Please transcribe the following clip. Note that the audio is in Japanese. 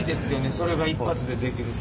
それが一発でできるって。